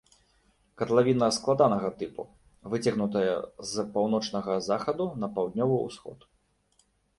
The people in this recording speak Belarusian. Катлавіна складанага тыпу, выцягнутая з паўночнага захаду на паўднёвы ўсход.